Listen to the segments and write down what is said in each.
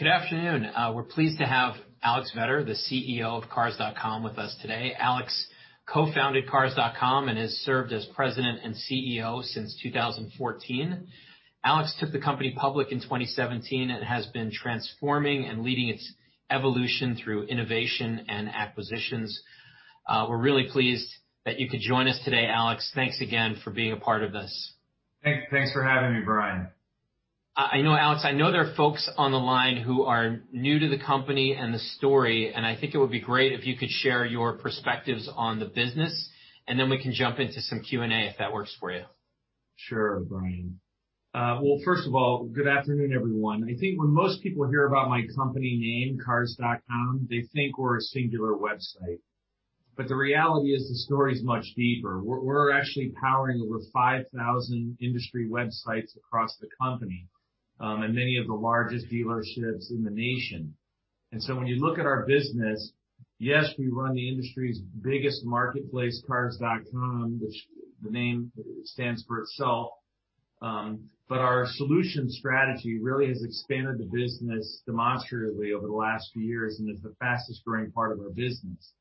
Good afternoon. We're pleased to have Alex Vetter, the CEO of Cars.com, with us today. Alex co-founded Cars.com and has served as President and CEO since 2014. Alex took the company public in 2017 and has been transforming and leading its evolution through innovation and acquisitions. We're really pleased that you could join us today, Alex. Thanks again for being a part of this. Thanks for having me, Brian. Alex, I know there are folks on the line who are new to the company and the story, and I think it would be great if you could share your perspectives on the business, and then we can jump into some Q&A, if that works for you. Sure, Brian. Well, first of all, good afternoon, everyone. I think when most people hear about my company name, Cars.com, they think we're a singular website. The reality is the story's much deeper. We're actually powering over 5,000 industry websites across the company, and many of the largest dealerships in the nation. When you look at our business, yes, we run the industry's biggest marketplace, Cars.com, which the name stands for itself. Our solution strategy really has expanded the business demonstratively over the last few years and is the fastest-growing part of our business.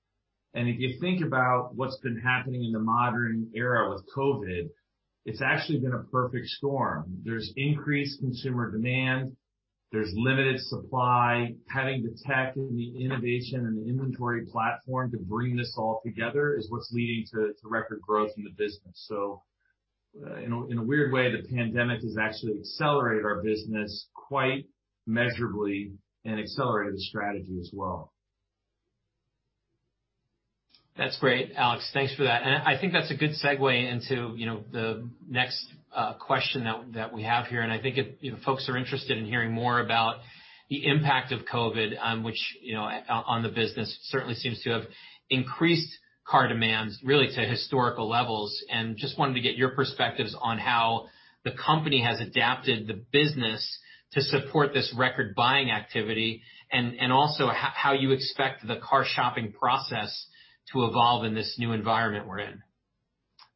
If you think about what's been happening in the modern era with COVID, it's actually been a perfect storm. There's increased consumer demand, there's limited supply. Having the tech and the innovation and the inventory platform to bring this all together is what's leading to record growth in the business. In a weird way, the pandemic has actually accelerated our business quite measurably and accelerated the strategy as well. That's great, Alex. Thanks for that. I think that's a good segue into the next question that we have here. I think if folks are interested in hearing more about the impact of COVID on the business, it certainly seems to have increased car demands really to historical levels. Just wanted to get your perspectives on how the company has adapted the business to support this record buying activity and also how you expect the car shopping process to evolve in this new environment we're in.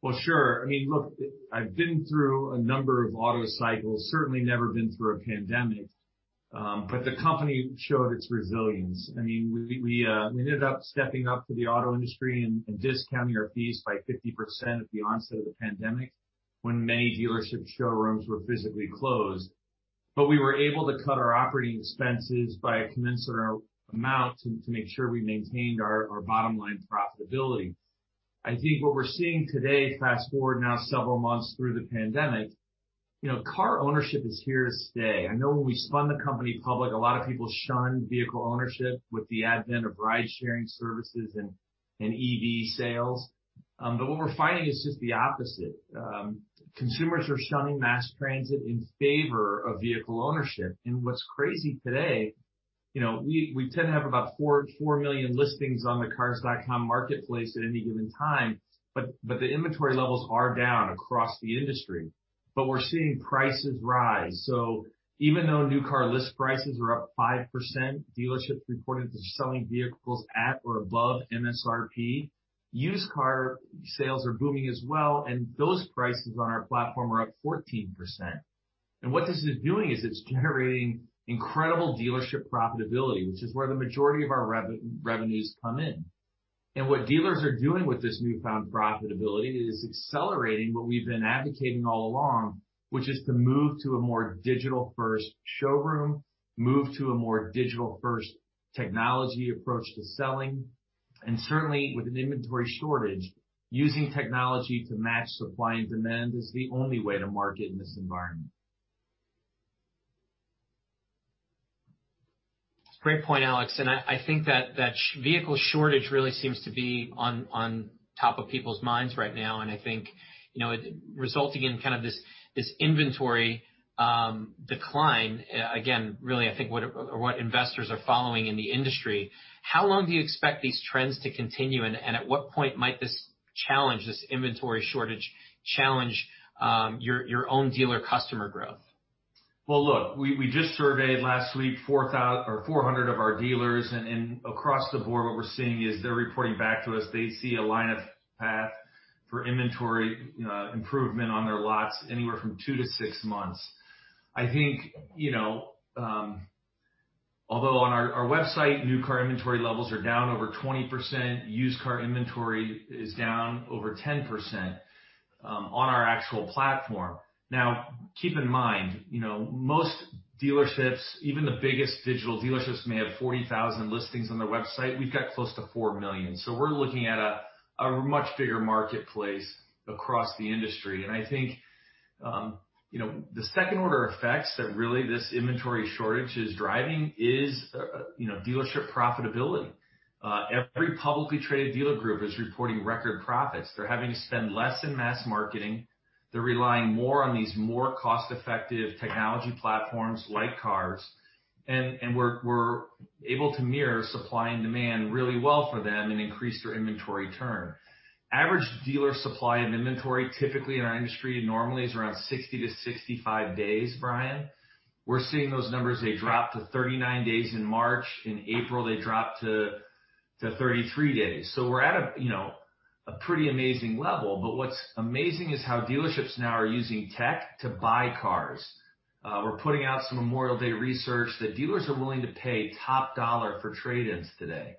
Well, sure. Look, I've been through a number of auto cycles, certainly never been through a pandemic. The company showed its resilience. We ended up stepping up for the auto industry and discounting our fees by 50% at the onset of the pandemic when many dealership showrooms were physically closed. We were able to cut our operating expenses by a commensurate amount to make sure we maintained our bottom-line profitability. I think what we're seeing today, fast-forward now several months through the pandemic, car ownership is here to stay. I know when we spun the company public, a lot of people shunned vehicle ownership with the advent of ridesharing services and EV sales. What we're finding is just the opposite. Consumers are shunning mass transit in favor of vehicle ownership. What's crazy today, we tend to have about four million listings on the Cars.com marketplace at any given time, but the inventory levels are down across the industry. We're seeing prices rise. Even though new car list prices are up 5%, dealerships reporting that they're selling vehicles at or above MSRP. Used car sales are booming as well, those prices on our platform are up 14%. What this is doing is it's generating incredible dealership profitability, which is where the majority of our revenues come in. What dealers are doing with this newfound profitability is accelerating what we've been advocating all along, which is to move to a more digital-first showroom, move to a more digital-first technology approach to selling. Certainly, with an inventory shortage, using technology to match supply and demand is the only way to market in this environment. Great point, Alex. I think that vehicle shortage really seems to be on top of people's minds right now, and I think resulting in kind of this inventory decline. Really I think what investors are following in the industry. How long do you expect these trends to continue, and at what point might this challenge, this inventory shortage, challenge your own dealer customer growth? Well, look, we just surveyed last week 400 of our dealers. Across the board, what we're seeing is they're reporting back to us they see a line of path for inventory improvement on their lots anywhere from 2-6 months. I think, although on our website, new car inventory levels are down over 20%, used car inventory is down over 10% on our actual platform. Now, keep in mind, most dealerships, even the biggest digital dealerships may have 40,000 listings on their website. We've got close to four million. We're looking at a much bigger marketplace across the industry. I think the second order effects that really this inventory shortage is driving is dealership profitability. Every publicly traded dealer group is reporting record profits. They're having to spend less in mass marketing. They're relying more on these more cost-effective technology platforms like Cars. We're able to mirror supply and demand really well for them and increase their inventory turn. Average dealer supply and inventory typically in our industry normally is around 60-65 days, Brian. We're seeing those numbers, they dropped to 39 days in March. In April, they dropped to 33 days. We're at a pretty amazing level, but what's amazing is how dealerships now are using tech to buy cars. We're putting out some Memorial Day research that dealers are willing to pay top dollar for trade-ins today.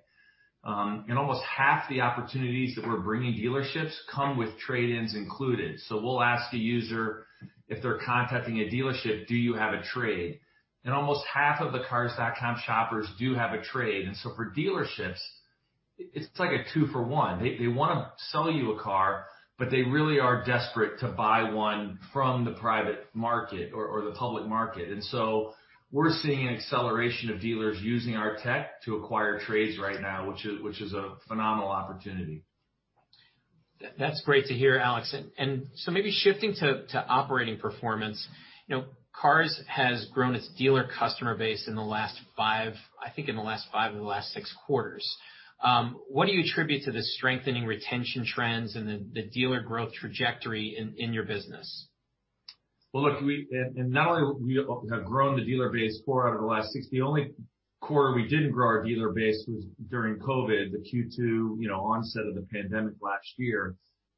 Almost half the opportunities that we're bringing dealerships come with trade-ins included. We'll ask a user if they're contacting a dealership, "Do you have a trade?" Almost half of the Cars.com shoppers do have a trade. For dealerships, it's like a two for one. They want to sell you a car, but they really are desperate to buy one from the private market or the public market. We're seeing an acceleration of dealers using our tech to acquire trades right now, which is a phenomenal opportunity. That's great to hear, Alex. Maybe shifting to operating performance. Cars has grown its dealer customer base I think in the last five or the last six quarters. What do you attribute to the strengthening retention trends and the dealer growth trajectory in your business? Well, look, not only we have grown the dealer base four out of the last six. The only quarter we didn't grow our dealer base was during COVID, the Q2 onset of the pandemic last year.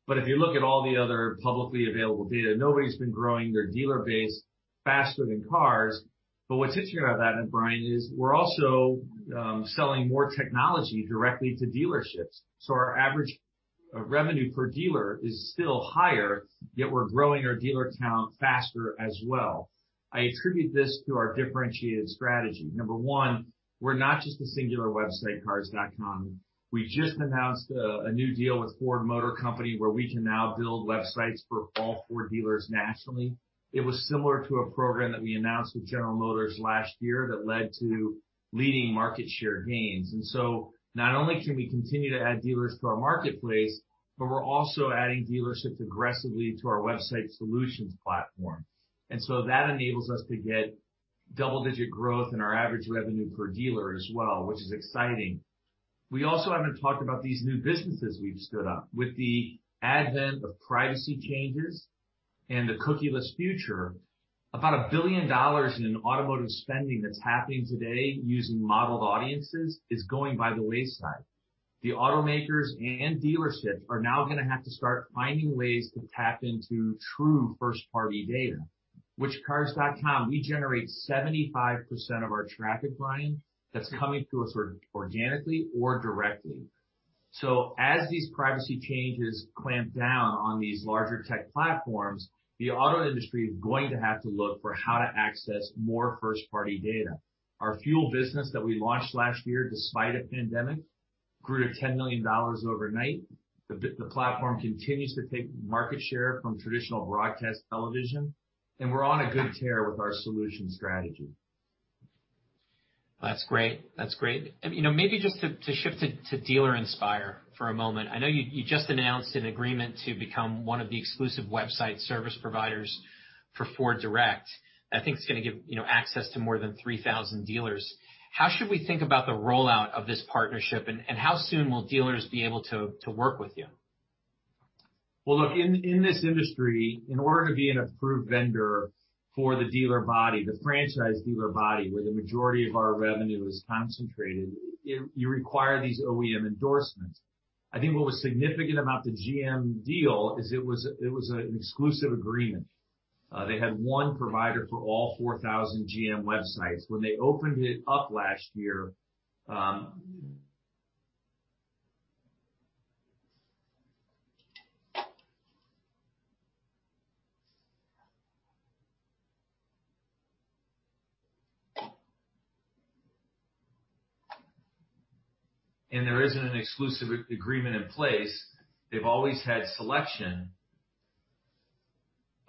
If you look at all the other publicly available data, nobody's been growing their dealer base faster than Cars.com. What's interesting about that, Brian, is we're also selling more technology directly to dealerships. Our average revenue per dealer is still higher, yet we're growing our dealer count faster as well. I attribute this to our differentiated strategy. Number one, we're not just a singular website, Cars.com. We just announced a new deal with Ford Motor Company, where we can now build websites for all Ford dealers nationally. It was similar to a program that we announced with General Motors last year that led to leading market share gains. Not only can we continue to add dealers to our marketplace, but we're also adding dealerships aggressively to our That enables us to get double-digit growth in our average revenue per dealer as well, which is exciting. We also haven't talked about these new businesses we've stood up. With the advent of privacy changes and the cookieless future, about $1 billion in automotive spending that's happening today using modeled audiences is going by the wayside. The automakers and dealerships are now going to have to start finding ways to tap into true first-party data. Which Cars.com, we generate 75% of our traffic, Brian, that's coming to us organically or directly. As these privacy changes clamp down on these larger tech platforms, the auto industry is going to have to look for how to access more first-party data. Our FUEL business that we launched last year, despite a pandemic, grew to $10 million overnight. The platform continues to take market share from traditional broadcast television, and we're on a good tear with our solution strategy. That's great. Maybe just to shift to Dealer Inspire for a moment. I know you just announced an agreement to become one of the exclusive website service providers for FordDirect. I think it's going to give access to more than 3,000 dealers. How should we think about the rollout of this partnership, and how soon will dealers be able to work with you? Well, look, in this industry, in order to be an approved vendor for the dealer body, the franchise dealer body, where the majority of our revenue is concentrated, you require these OEM endorsements. I think what was significant about the GM deal is it was an exclusive agreement. They had one provider for all 4,000 GM websites. When they opened it up last year, and there isn't an exclusive agreement in place, they've always had selection.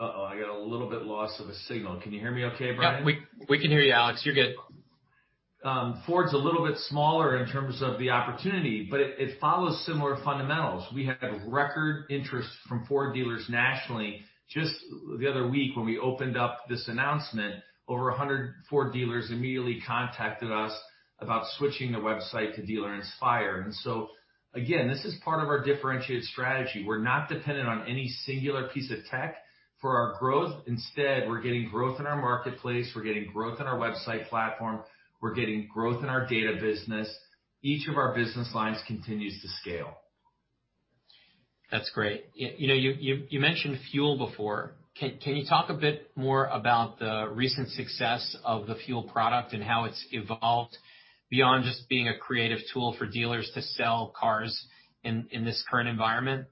Uh-oh, I got a little bit loss of a signal. Can you hear me okay, Brian? Yep. We can hear you, Alex. You're good. Ford's a little bit smaller in terms of the opportunity, but it follows similar fundamentals. We have record interest from Ford dealers nationally. Just the other week when we opened up this announcement, over 100 Ford dealers immediately contacted us about switching their website to Dealer Inspire. Again, this is part of our differentiated strategy. We're not dependent on any singular piece of tech for our growth. Instead, we're getting growth in our marketplace. We're getting growth in our website platform. We're getting growth in our data business. Each of our business lines continues to scale. That's great. You mentioned FUEL before. Can you talk a bit more about the recent success of the FUEL product and how it's evolved beyond just being a creative tool for dealers to sell cars in this current environment?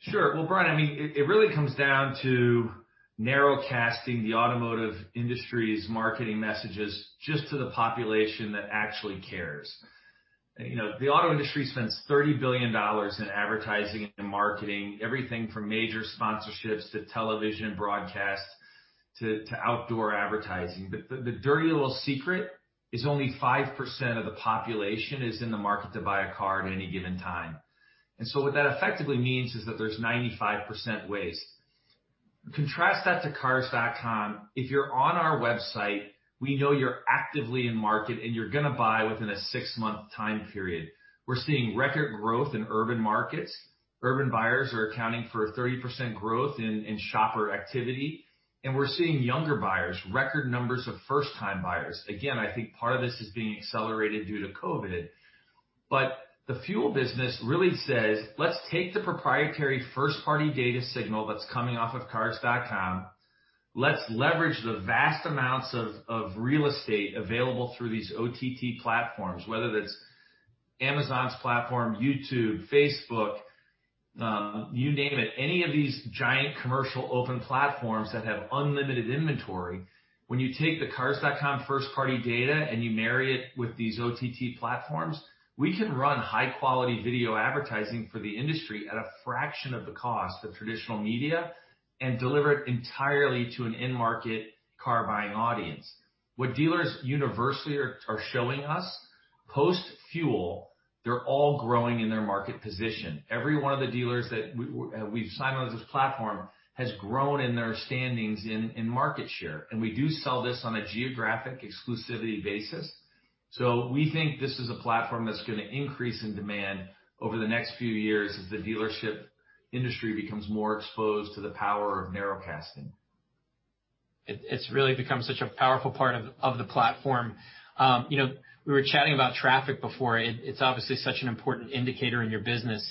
Sure. Well, Brian, it really comes down to narrow casting the automotive industry's marketing messages just to the population that actually cares. The auto industry spends $30 billion in advertising and marketing, everything from major sponsorships to television broadcasts to outdoor advertising. The dirty little secret is only 5% of the population is in the market to buy a car at any given time. What that effectively means is that there's 95% waste. Contrast that to Cars.com. If you're on our website, we know you're actively in market, and you're going to buy within a six-month time period. We're seeing record growth in urban markets. Urban buyers are accounting for 30% growth in shopper activity, we're seeing younger buyers, record numbers of first-time buyers. Again, I think part of this is being accelerated due to COVID. The FUEL business really says, let's take the proprietary first-party data signal that's coming off of Cars.com. Let's leverage the vast amounts of real estate available through these OTT platforms, whether that's Amazon's platform, YouTube, Facebook, you name it, any of these giant commercial open platforms that have unlimited inventory. When you take the Cars.com first-party data and you marry it with these OTT platforms, we can run high-quality video advertising for the industry at a fraction of the cost of traditional media and deliver it entirely to an in-market car-buying audience. What dealers universally are showing us, post-FUEL, they're all growing in their market position. Every one of the dealers that we've signed on to this platform has grown in their standings in market share. We do sell this on a geographic exclusivity basis. We think this is a platform that's going to increase in demand over the next few years as the dealership industry becomes more exposed to the power of narrowcasting. It's really become such a powerful part of the platform. We were chatting about traffic before. It's obviously such an important indicator in your business.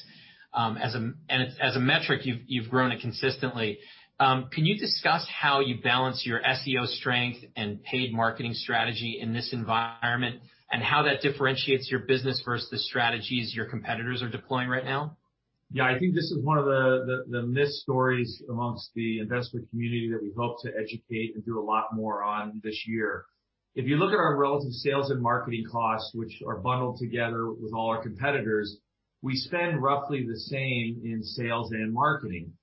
As a metric, you've grown it consistently. Can you discuss how you balance your SEO strength and paid marketing strategy in this environment, and how that differentiates your business versus the strategies your competitors are deploying right now? Yeah, I think this is one of the missed stories amongst the investment community that we hope to educate and do a lot more on this year. If you look at our relative sales and marketing costs, which are bundled together with all our competitors, we spend roughly the same in sales and marketing.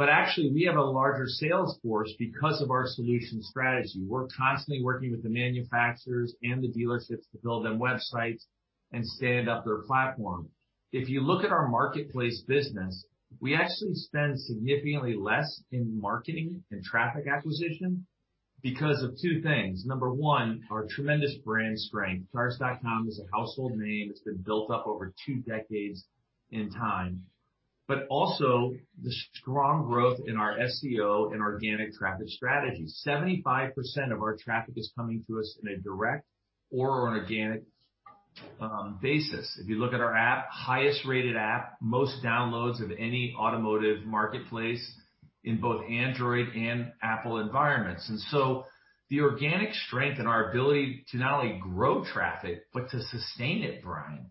Actually, we have a larger sales force because of our solution strategy. We're constantly working with the manufacturers and the dealerships to build their websites and stand up their platform. If you look at our marketplace business, we actually spend significantly less in marketing and traffic acquisition because of two things. Number one, our tremendous brand strength. Cars.com is a household name that's been built up over two decades in time. Also the strong growth in our SEO and organic traffic strategy. 75% of our traffic is coming to us in a direct or an organic basis. If you look at our app, highest-rated app, most downloads of any automotive marketplace in both Android and Apple environments. The organic strength in our ability to not only grow traffic but to sustain it, Brian.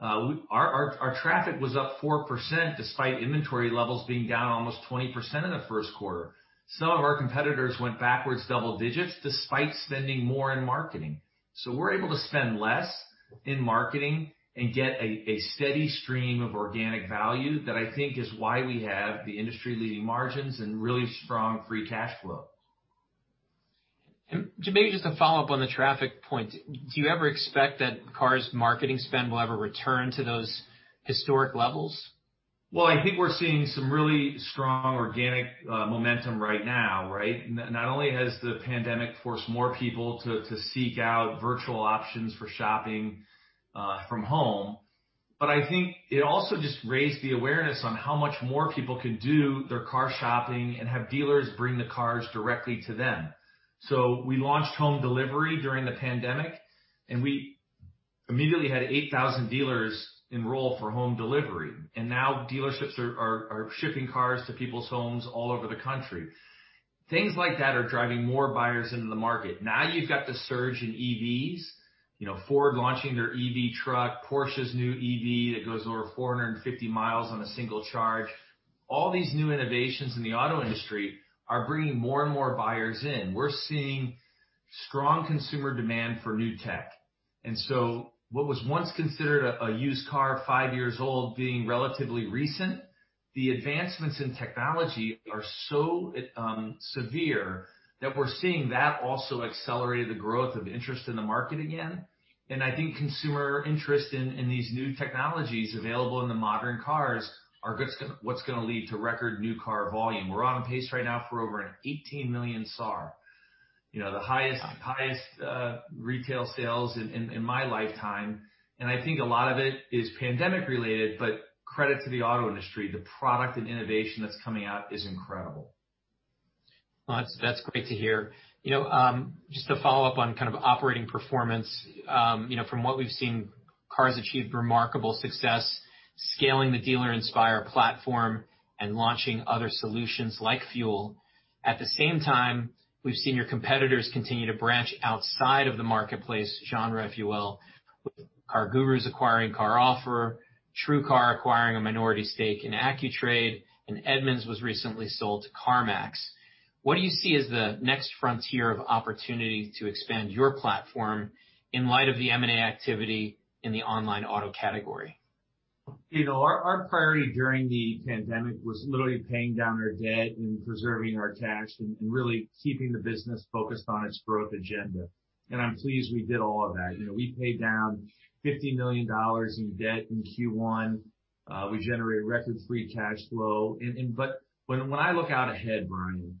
Our traffic was up 4% despite inventory levels being down almost 20% in the first quarter. Some of our competitors went backwards double digits despite spending more in marketing. We're able to spend less in marketing and get a steady stream of organic value that I think is why we have the industry-leading margins and really strong free cash flow. To maybe just to follow up on the traffic point, do you ever expect that Cars marketing spend will ever return to those historic levels? Well, I think we're seeing some really strong organic momentum right now, right? Not only has the pandemic forced more people to seek out virtual options for shopping from home. I think it also just raised the awareness on how much more people can do their car shopping and have dealers bring the cars directly to them. We launched home delivery during the pandemic, and we immediately had 8,000 dealers enroll for home delivery. Now dealerships are shipping cars to people's homes all over the country. Things like that are driving more buyers into the market. Now you've got the surge in EVs. Ford launching their EV truck. Porsche's new EV that goes over 450 miles on a single charge. All these new innovations in the auto industry are bringing more and more buyers in. We're seeing strong consumer demand for new tech. And so, what was once considered a used car five years old being relatively recent, the advancements in technology are so severe that we're seeing that also accelerate the growth of interest in the market again. I think consumer interest in these new technologies available in the modern cars are what's going to lead to record new car volume. We're on pace right now for over an 18 million SAAR. The highest retail sales in my lifetime. I think a lot of it is pandemic related, but credit to the auto industry. The product and innovation that's coming out is incredible. Well, that's great to hear. Just to follow up on kind of operating performance. From what we've seen, Cars achieved remarkable success scaling the Dealer Inspire platform and launching other solutions like FUEL. At the same time, we've seen your competitors continue to branch outside of the marketplace genre, if you will. With CarGurus acquiring CarOffer, TrueCar acquiring a minority stake in Accu-Trade, and Edmunds was recently sold to CarMax. What do you see as the next frontier of opportunity to expand your platform in light of the M&A activity in the online auto category? Our priority during the pandemic was literally paying down our debt and preserving our cash, and really keeping the business focused on its growth agenda. I'm pleased we did all of that. We paid down $50 million in debt in Q1. We generated record free cash flow. When I look out ahead, Brian,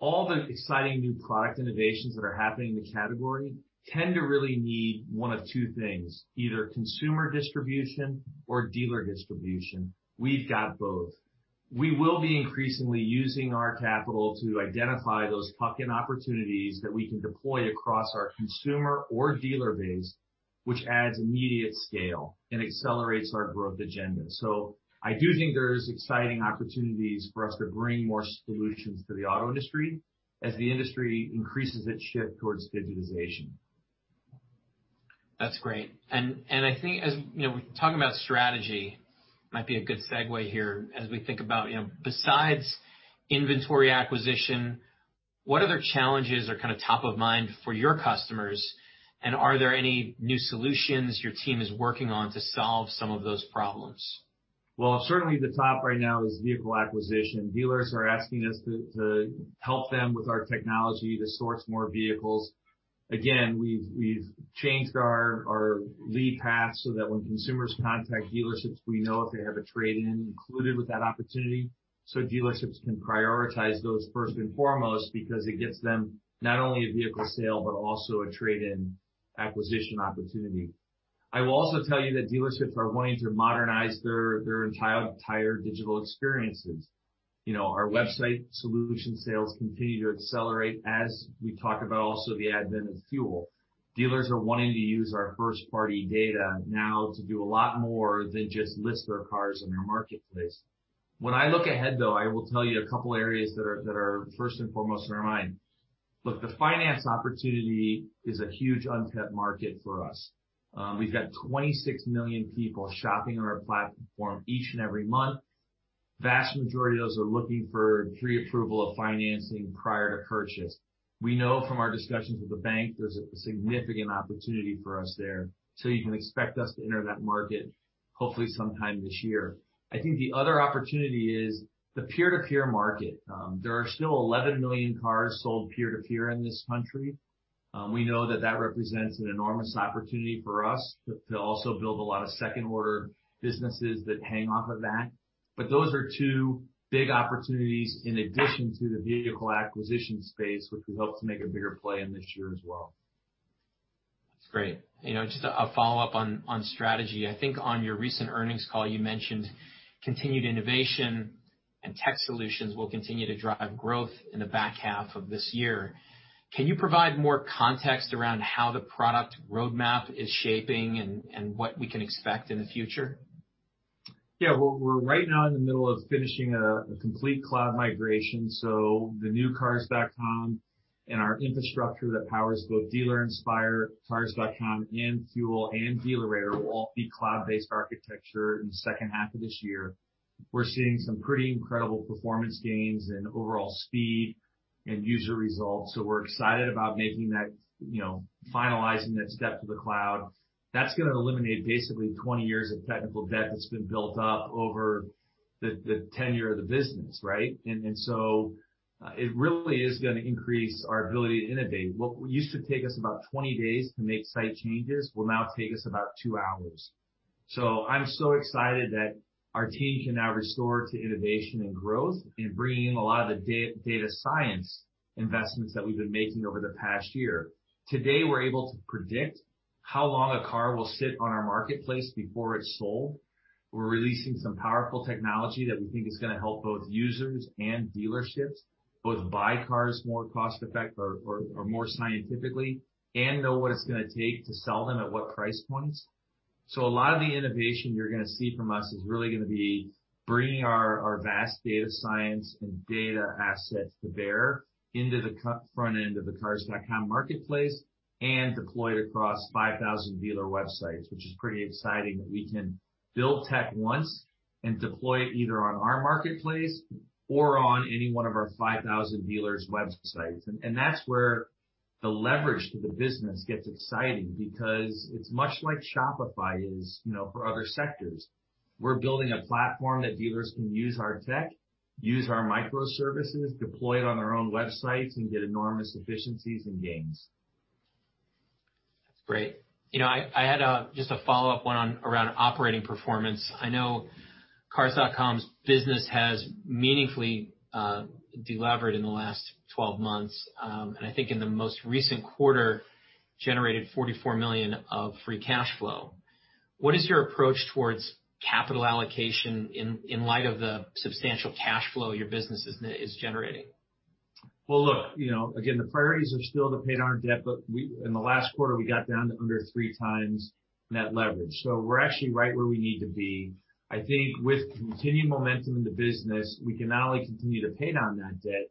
all the exciting new product innovations that are happening in the category tend to really need one of two things. Either consumer distribution or dealer distribution. We've got both. We will be increasingly using our capital to identify those tuck-in opportunities that we can deploy across our consumer or dealer base, which adds immediate scale and accelerates our growth agenda. I do think there is exciting opportunities for us to bring more solutions to the auto industry as the industry increases its shift towards digitization. That's great. I think as we talk about strategy, might be a good segue here as we think about, besides inventory acquisition, what other challenges are top of mind for your customers, and are there any new solutions your team is working on to solve some of those problems? Well, certainly the top right now is vehicle acquisition. Dealers are asking us to help them with our technology to source more vehicles. We've changed our lead path so that when consumers contact dealerships, we know if they have a trade-in included with that opportunity. Dealerships can prioritize those first and foremost because it gets them not only a vehicle sale but also a trade-in acquisition opportunity. I will also tell you that dealerships are wanting to modernize their entire digital experiences. Our website solution sales continue to accelerate as we talk about also the advent of FUEL. Dealers are wanting to use our first-party data now to do a lot more than just list their cars on our marketplace. When I look ahead, though, I will tell you a couple areas that are first and foremost on our mind. Look, the finance opportunity is a huge untapped market for us. We've got 26 million people shopping on our platform each and every month. Vast majority of those are looking for pre-approval of financing prior to purchase. We know from our discussions with the bank, there's a significant opportunity for us there. You can expect us to enter that market hopefully sometime this year. I think the other opportunity is the peer-to-peer market. There are still 11 million cars sold peer-to-peer in this country. We know that that represents an enormous opportunity for us to also build a lot of second-order businesses that hang off of that. Those are two big opportunities in addition to the vehicle acquisition space, which we hope to make a bigger play in this year as well. That's great. Just a follow-up on strategy. I think on your recent earnings call, you mentioned continued innovation and tech solutions will continue to drive growth in the back half of this year. Can you provide more context around how the product roadmap is shaping and what we can expect in the future? Yeah. Well, we're right now in the middle of finishing a complete cloud migration. The new Cars.com and our infrastructure that powers both Dealer Inspire, Cars.com and FUEL and DealerRater will all be cloud-based architecture in the second half of this year. We're seeing some pretty incredible performance gains and overall speed and user results. We're excited about finalizing that step to the cloud. That's going to eliminate basically 20 years of technical debt that's been built up over the tenure of the business, right? And then so, it really is going to increase our ability to innovate. What used to take us about 20 days to make site changes will now take us about two hours. I'm so excited that our team can now restore to innovation and growth and bring in a lot of data science investments that we've been making over the past year. Today, we're able to predict how long a car will sit on our marketplace before it's sold. We're releasing some powerful technology that we think is going to help both users and dealerships both buy cars more scientifically and know what it's going to take to sell them at what price points. A lot of the innovation you're going to see from us is really going to be bringing our vast data science and data assets to bear into the front end of the Cars.com marketplace and deploy across 5,000 dealer websites, which is pretty exciting that we can build tech once and deploy it either on our marketplace or on any one of our 5,000 dealers' websites. That's where the leverage for the business gets exciting because it's much like Shopify is for other sectors. We're building a platform that dealers can use our tech, use our microservices, deploy it on their own websites, and get enormous efficiencies and gains. Great. I had just a follow-up one around operating performance. I know Cars.com's business has meaningfully delevered in the last 12 months. I think in the most recent quarter, generated $44 million of free cash flow. What is your approach towards capital allocation in light of the substantial cash flow your business is generating? Well, look, again, the priorities are still to pay down debt, but in the last quarter, we got down to under 3x net leverage. We're actually right where we need to be. I think with continued momentum in the business, we can not only continue to pay down that debt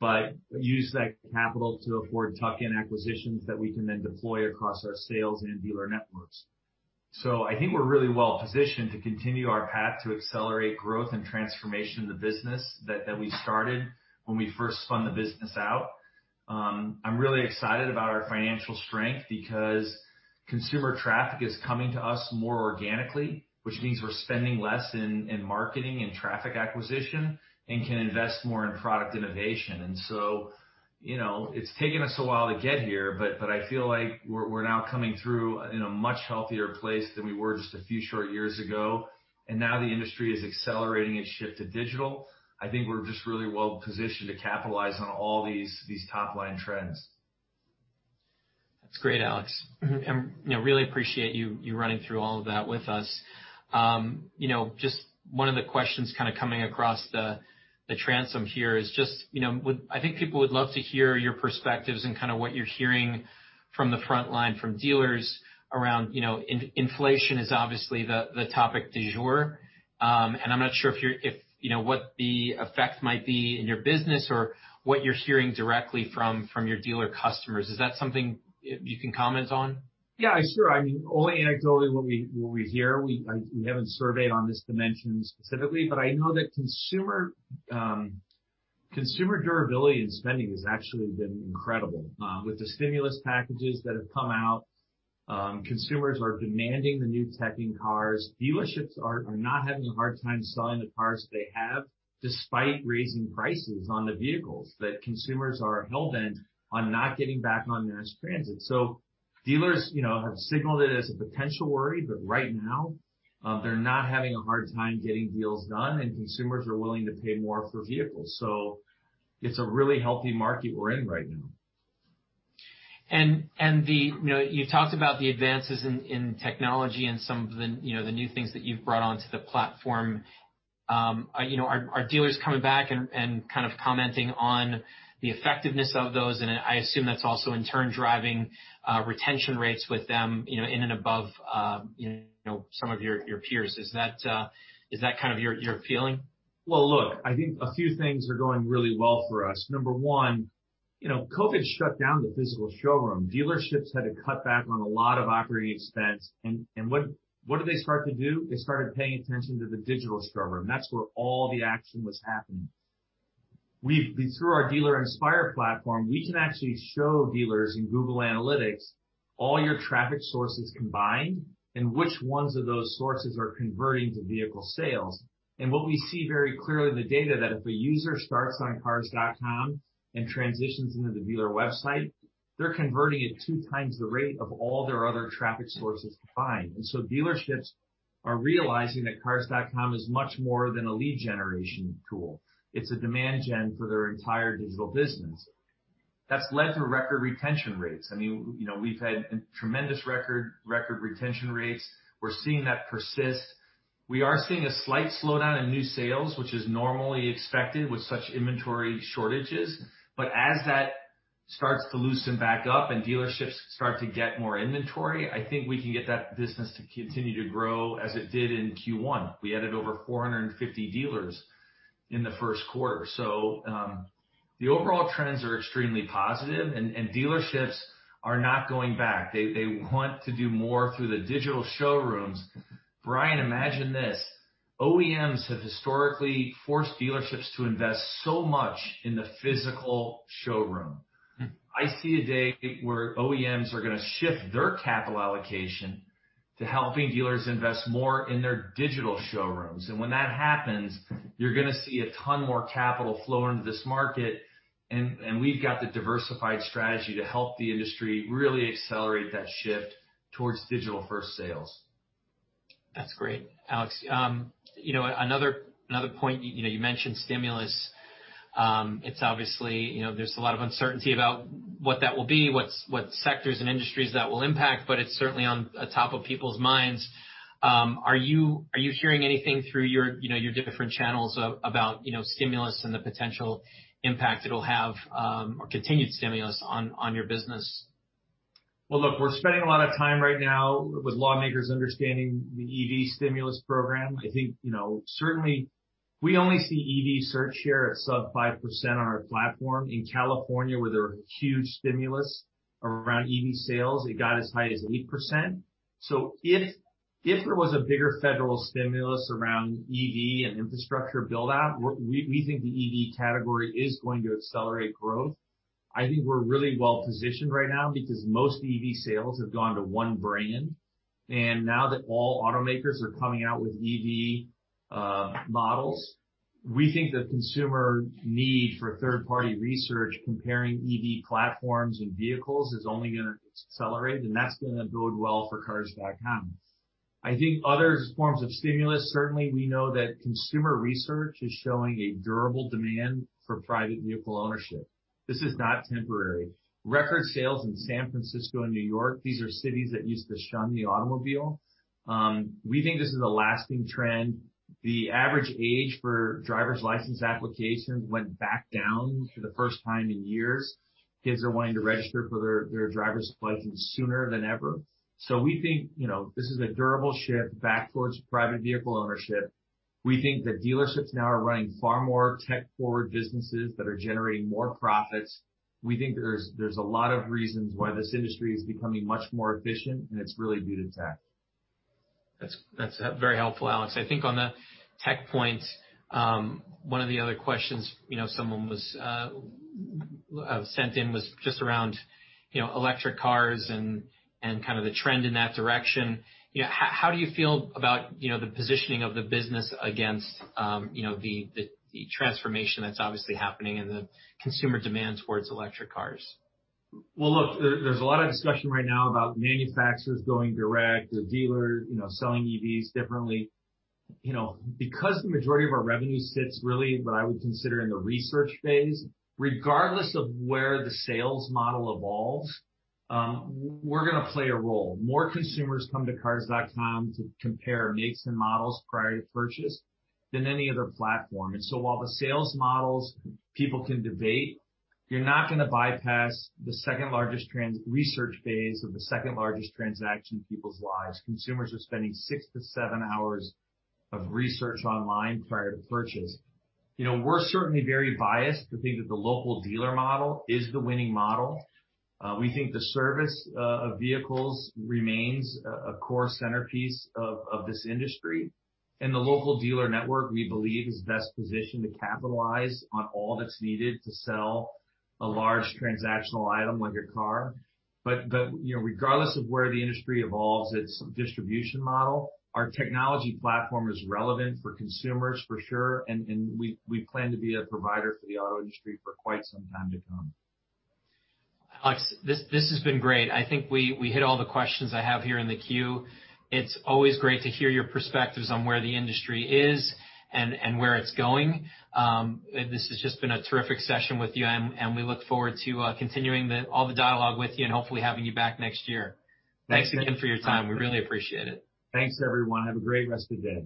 but use that capital to afford tuck-in acquisitions that we can then deploy across our sales and dealer networks. I think we're really well positioned to continue our path to accelerate growth and transformation of the business that we started when we first spun the business out. I'm really excited about our financial strength because consumer traffic is coming to us more organically, which means we're spending less in marketing and traffic acquisition and can invest more in product innovation. And so you know, it's taken us a while to get here, but I feel like we're now coming through in a much healthier place than we were just a few short years ago. Now the industry is accelerating its shift to digital. I think we're just really well positioned to capitalize on all these top-line trends. That's great, Alex. I really appreciate you running through all of that with us. Just one of the questions coming across the transom here is just, I think people would love to hear your perspectives and what you're hearing from the front line from dealers around, inflation is obviously the topic du jour. I'm not sure what the effect might be in your business or what you're hearing directly from your dealer customers. Is that something you can comment on? Yeah, sure. Only anecdotally what we hear. We haven't surveyed on this dimension specifically, but I know that consumer durability and spending has actually been incredible. With the stimulus packages that have come out, consumers are demanding the new tech in cars. Dealerships are not having a hard time selling the cars they have, despite raising prices on the vehicles, that consumers are hellbent on not getting back on mass transit. Dealers have signaled it as a potential worry, but right now, they're not having a hard time getting deals done, and consumers are willing to pay more for vehicles. It's a really healthy market we're in right now. You talked about the advances in technology and some of the new things that you've brought onto the platform. Are dealers coming back and kind of commenting on the effectiveness of those? I assume that's also in turn driving retention rates with them, in and above some of your peers. Is that kind of your feeling? Well, look, I think a few things are going really well for us. Number one, COVID shut down the physical showroom. Dealerships had to cut back on a lot of operating expense. What did they start to do? They started paying attention to the digital showroom. That's where all the action was happening. Through our Dealer Inspire platform, we can actually show dealers in Google Analytics all your traffic sources combined and which ones of those sources are converting to vehicle sales. What we see very clear in the data, that if a user starts on Cars.com and transitions into the dealer website, they're converting at 2x the rate of all their other traffic sources combined. Dealerships are realizing that Cars.com is much more than a lead generation tool. It's a demand gen for their entire digital business. That's led to record retention rates. We've had tremendous record retention rates. We're seeing that persist. We are seeing a slight slowdown in new sales, which is normally expected with such inventory shortages. As that starts to loosen back up and dealerships start to get more inventory, I think we can get that business to continue to grow as it did in Q1. We added over 450 dealers in the first quarter. The overall trends are extremely positive, and dealerships are not going back. They want to do more through the digital showrooms. Brian, imagine this. OEMs have historically forced dealerships to invest so much in the physical showroom. I see a day where OEMs are going to shift their capital allocation to helping dealers invest more in their digital showrooms. When that happens, you're going to see a ton more capital flow into this market, and we've got the diversified strategy to help the industry really accelerate that shift towards digital first sales. That's great. Alex, another point, you mentioned stimulus. It's obviously there's a lot of uncertainty about what that will be, what sectors and industries that will impact, it's certainly on top of people's minds. Are you hearing anything through your different channels about stimulus and the potential impact it'll have, or continued stimulus on your business? Well, look, we're spending a lot of time right now with lawmakers understanding the EV stimulus program. I think, certainly we only see EV search here at sub 5% on our platform. In California, where there was huge stimulus around EV sales, it got as high as 8%. If there was a bigger federal stimulus around EV and infrastructure build out, we think the EV category is going to accelerate growth. I think we're really well-positioned right now because most EV sales have gone to one brand. Now that all automakers are coming out with EV models, we think the consumer need for third-party research comparing EV platforms and vehicles is only going to accelerate, and that's going to bode well for Cars.com. I think other forms of stimulus, certainly we know that consumer research is showing a durable demand for private vehicle ownership. This is not temporary. Record sales in San Francisco and New York, these are cities that used to shun the automobile. We think this is a lasting trend. The average age for driver's license applications went back down for the first time in years. Kids are wanting to register for their driver's license sooner than ever. We think this is a durable shift back towards private vehicle ownership. We think that dealerships now are running far more tech-forward businesses that are generating more profits. We think there's a lot of reasons why this industry is becoming much more efficient, and it's really due to tech. That's very helpful, Alex. I think on the tech point, one of the other questions someone sent in was just around electric cars and kind of the trend in that direction. How do you feel about the positioning of the business against the transformation that's obviously happening in the consumer demand towards electric cars? Well, look, there's a lot of discussion right now about manufacturers going direct or dealers selling EVs differently. Because the majority of our revenue sits really what I would consider in the research phase, regardless of where the sales model evolves, we're going to play a role. More consumers come to Cars.com to compare makes and models prior to purchase than any other platform. While the sales models people can debate, you're not going to bypass the second largest research phase of the second largest transaction in people's lives. Consumers are spending 6-7 hours of research online prior to purchase. We're certainly very biased to think that the local dealer model is the winning model. We think the service of vehicles remains a core centerpiece of this industry, and the local dealer network, we believe, is best positioned to capitalize on all that's needed to sell a large transactional item like a car. Regardless of where the industry evolves its distribution model, our technology platform is relevant for consumers, for sure, and we plan to be a provider for the auto industry for quite some time to come. Alex, this has been great. I think we hit all the questions I have here in the queue. It's always great to hear your perspectives on where the industry is and where it's going. This has just been a terrific session with you, and we look forward to continuing all the dialogue with you and hopefully having you back next year. Thanks again for your time. We really appreciate it. Thanks, everyone. Have a great rest of the day.